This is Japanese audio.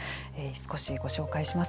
少しご紹介します。